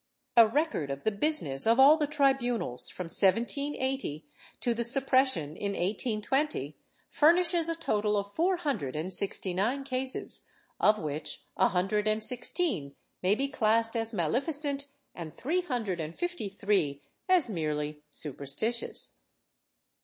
^ A record of the business of all the tribunals, from 1780 to the suppres sion in 1820, furnishes a total of four hundred and sixtj^ nine cases of which a hundred and sixteen may be classed as maleficent and three hundred and fifty three as merely superstitious.